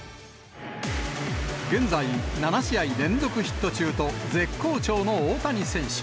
現在、７試合連続ヒット中と、絶好調の大谷選手。